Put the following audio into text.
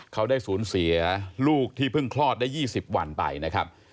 เขาได้สูญเสียลูกที่เพิ่งคลอดได้๒๐วันไปนะครับ